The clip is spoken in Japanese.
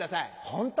ホント？